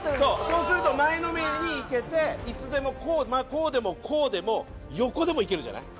そうすると前のめりにいけていつでもこうまあこうでもこうでも横でもいけるじゃない。